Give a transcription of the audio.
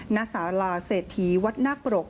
นักศาลาเศรษฐีวัดนักปรก